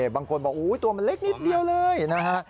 บางคนบอกตัวมันเล็กนิดเดียวเลยนะฮะ